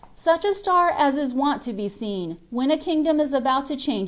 Sarh a alar as b wont to be seen when a kingdom is about 'f riiange i!